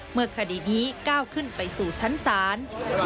เมื่อคดีนี้ก้าวขึ้นไปสู่ชั้นศาล